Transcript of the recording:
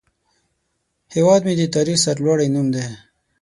هیواد مې د تاریخ سرلوړی نوم دی